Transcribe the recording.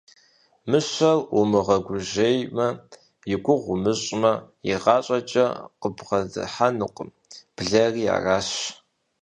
Мыщэр умыгъэгужьеймэ, и гугъу умыщӀмэ, игъащӀэкӀэ къыббгъэдыхьэнукъым, блэри аращ.